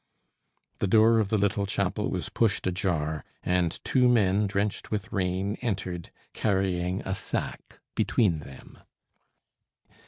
The door of the little chapel was pushed ajar, and two men, drenched with rain, entered, carrying a sack between them.